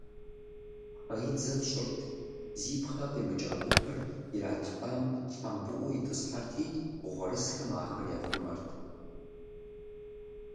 Пхъэидзэ тщӀырт, зи пхъэ къимыкӀа гупыр иратхъам хьэмбыӀуу итӏысхьэрти, гъуэрысхэм ахэр яхъумэрт.